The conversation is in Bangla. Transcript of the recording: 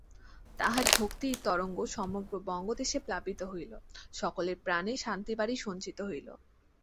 তাঁহার ভক্তির তরঙ্গ সমগ্র বঙ্গদেশে প্লাবিত হইল, সকলের প্রাণে শান্তিবারি সিঞ্চিত হইল।